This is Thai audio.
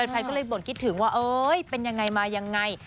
แฟนก็เลยบ่นคิดถึงว่าเออเห้ยเป็นอย่างไรมาอย่างไร